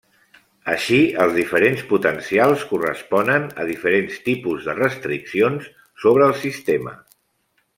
Així els diferents potencials corresponen a diferents tipus de restriccions sobre el sistema.